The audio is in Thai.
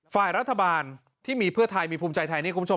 ฝ่ายรัฐบาลที่มีเพื่อไทยมีภูมิใจไทยนี่คุณผู้ชม